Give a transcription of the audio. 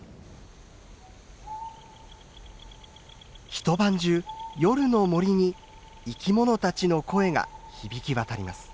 一晩中夜の森に生き物たちの声が響き渡ります。